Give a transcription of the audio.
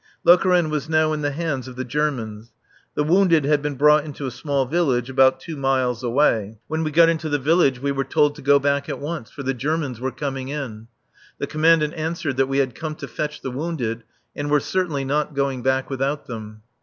Lokeren was now in the hands of the Germans. The wounded had been brought into a small village about two miles away. When we got into the village we were told to go back at once, for the Germans were coming in. The Commandant answered that we had come to fetch the wounded and were certainly not going back without them.